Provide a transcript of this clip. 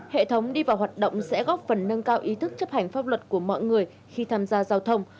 hệ thống đi vào hoạt động sẽ góp phần nâng cao ý thức chấp hành pháp luật của mọi người khi tham gia giao thông